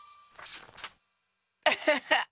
アハハッ！